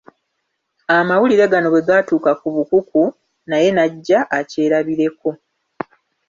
Amawulire gano bwe gaatuuka ku Bukuku, naye n’ajja akyerabireko.